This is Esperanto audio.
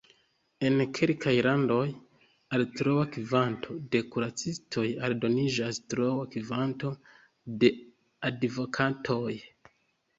En kelkaj landoj, al troa kvanto de kuracistoj aldoniĝas troa kvanto de advokatoj.